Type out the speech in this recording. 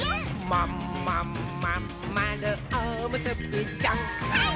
「まんまんまんまるおむすびちゃん」はいっ！